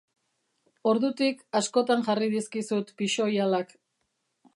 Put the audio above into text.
Ordutik, askotan jarri dizkizut pixoihalak.